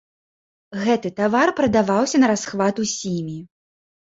Гэты тавар прадаваўся нарасхват усімі.